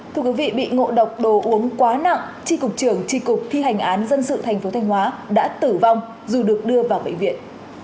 thưa quý vị bị ngộ độc đồ uống quá nặng tri cục trưởng tri cục thi hành án dân sự thành phố thanh hóa đã tử vong dù được đưa vào bệnh viện